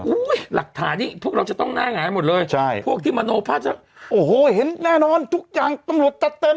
อุ้ยหลักฐานนี้ทุกคนเราจะต้องแน่ไงหมดเลยพวกที่มโนภาษณ์โอ้โหเห็นแน่นอนทุกอย่างตำรวจตัดเต็ม